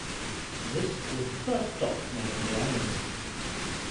This was the first dock made on the island.